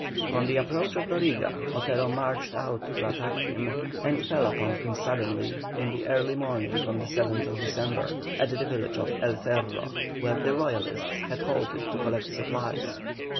On the approach of Loriga, Otero marched out to attack him, and fell upon him suddenly, in the early morning of the 7th December, at the village of El Cerro, where the Royalists had halted to collect supplies.